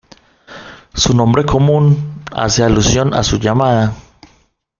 Su nombre común hace alusión a su llamada.